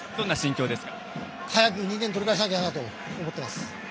早く２点を取り返さなきゃなと思っています。